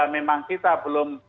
memang kita belum